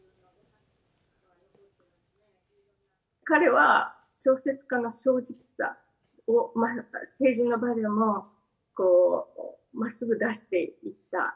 彼は小説家の正直さを政治の場でも、まっすぐ出していった。